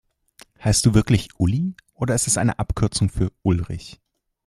Heißt du wirklich Uli, oder ist das die Abkürzung für Ulrich?